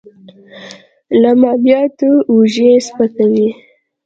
له مالیاتو اوږې سپکوي.